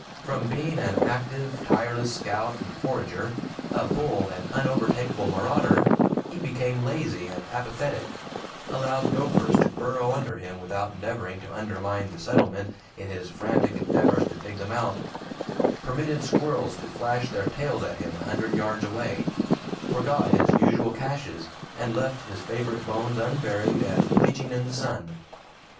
From being an active, tireless scout and forager, a bold and unovertakable marauder, he became lazy and apathetic; allowed gophers to burrow under him without endeavoring to undermine the settlement in his frantic endeavors to dig them out, permitted squirrels to flash their tails at him a hundred yards away, forgot his usual caches, and left his favorite bones unburied and bleaching in the sun.